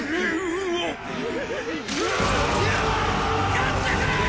勝ってくれェ！